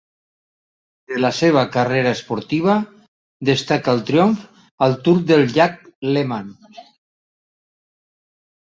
De la seva carrera esportiva destaca el triomf al Tour del llac Léman.